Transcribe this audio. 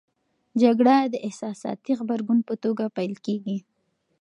جګړه د احساساتي غبرګون په توګه پیل کېږي.